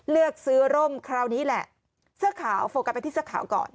เลือกซื้อร่มคราวนี้แหละเสื้อขาวโฟกัสไปที่เสื้อขาวก่อน